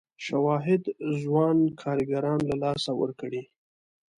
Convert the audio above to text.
شواهد ځوان کارګران له لاسه ورکړي.